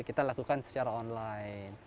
kita lakukan secara online